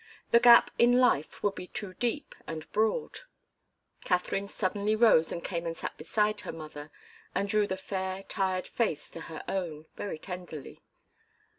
The gap in life would be too deep and broad. Katharine suddenly rose and came and sat beside her mother and drew the fair, tired face to her own, very tenderly.